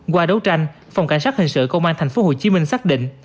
qua đấu tranh phòng cảnh sát hình sự công an tp hồ chí minh xác định